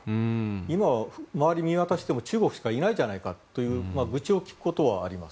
今は周りを見渡しても中国しかいないじゃないかという愚痴を聞くこともあります。